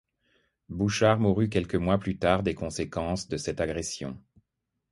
Bouchard mourut quelques mois plus tard des conséquences de cette agression.